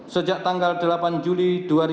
sejak tanggal dua puluh delapan juli dua ribu enam belas